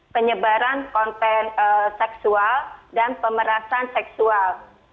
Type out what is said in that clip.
penyebaran konten seksual dan pemerasan seksual